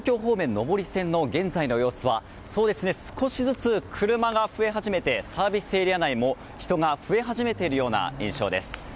上り線の現在の様子は少しずつ車が増え始めていてサービスエリア内も人が増え始めている印象です。